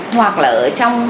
hoặc là ở trong